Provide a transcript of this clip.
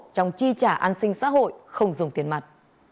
trong chi trả an sinh xã hội không dùng tiền mặt